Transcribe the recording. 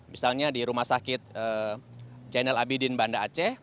misalnya di rumah sakit jainal abidin banda aceh